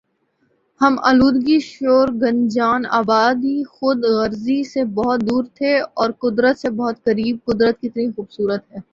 ہم آلودگی شور گنجان آبادی خود غرضی سے بہت دور تھے اور قدرت سے بہت قریب قدرت کتنی خوب صورت ہے